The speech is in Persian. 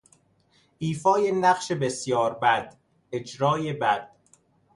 ایفای نقش بسیار بد، اجرای بد